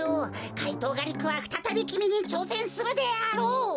怪盗ガリックはふたたびきみにちょうせんするであろう。